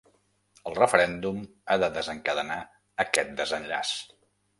El referèndum ha de desencadenar aquest desenllaç.